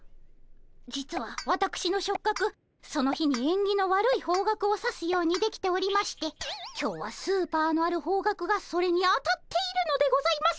実はわたくしの触角その日にえんぎの悪い方角を指すようにできておりまして今日はスーパーのある方角がそれにあたっているのでございます。